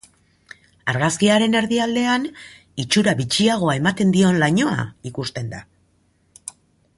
Argazkiaren erdialdean, itxura bitxiagoa ematen dion lainoa ikusten da.